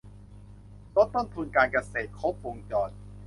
ลดต้นทุนการเกษตรครบวงจร